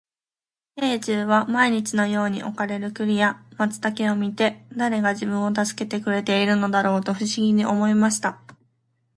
兵十は毎日のように置かれる栗や松茸を見て、誰が自分を助けてくれているのだろうと不思議に思いました。